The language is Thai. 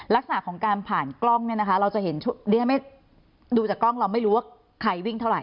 ลักษณะของการผ่านกล้องดูจากกล้องเราไม่รู้ว่าใครวิ่งเท่าไหร่